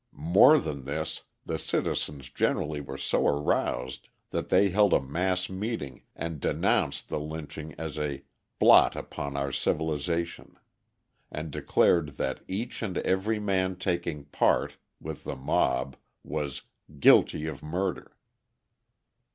More than this, the citizens generally were so aroused that they held a mass meeting, and denounced the lynching as a "blot upon our civilisation," and declared that "each and every man taking part" with the mob was "guilty of murder."